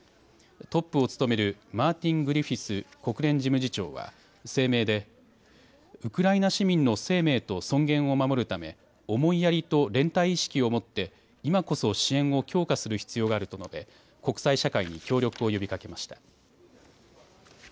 トップを務めるマーティン・グリフィス国連事務次長は、声明でウクライナ市民の生命と尊厳を守るため思いやりと連帯意識を持って、今こそ支援を強化する必要があると述べ、国際社会に協力を呼びかけました。